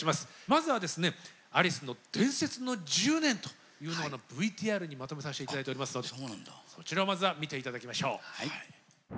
まずはですねアリスの伝説の１０年というものをＶＴＲにまとめさせて頂いておりますのでそちらをまずは見て頂きましょう。